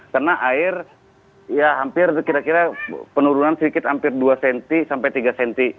karena air ya hampir kira kira penurunan sedikit hampir dua cm sampai tiga cm